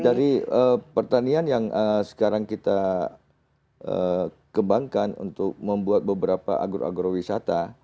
dari pertanian yang sekarang kita kembangkan untuk membuat beberapa agro agrowisata